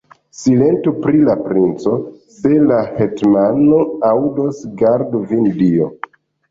Silentu pri la princo; se la hetmano aŭdos, gardu vin Dio!